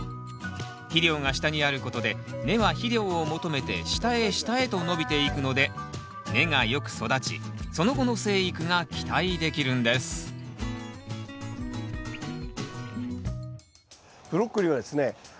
肥料が下にあることで根は肥料を求めて下へ下へと伸びていくので根がよく育ちその後の生育が期待できるんですブロッコリーはですね